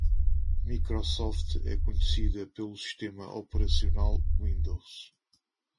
Microsoft é conhecida pelo sistema operacional Windows.